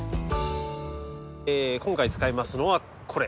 今回使いますのはこれ。